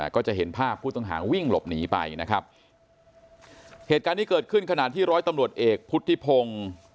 ก็จะเห็นภาพผู้ต้องหาวิ่งหลบหนีไปนะครับเหตุการณ์นี้เกิดขึ้นขณะที่ร้อยตำรวจเอกพุทธิพงศ์